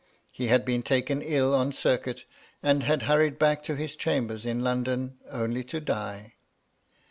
He had been taken ill on circuit, and had hurried back to his 304 MY LADY LUDLOW. chambers in London, only to die.